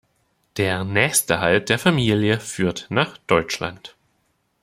Der nächste Halt der Familie führt nach Deutschland.